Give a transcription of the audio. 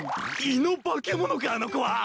胃の化け物かあの子は！